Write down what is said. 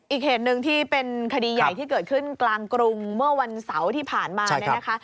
อีกเหตุหนึ่งที่เป็นคดีใหญ่ที่เกิดขึ้นกลางกรุงเมื่อวันเสาร์ที่ผ่านมาเนี่ยนะคะ